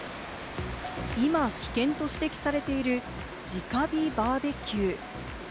今、危険と指摘されている直火バーベキュー。